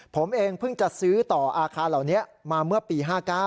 ผมเองเพิ่งจะซื้อต่ออาคารเหล่านี้มาเมื่อปี๕๙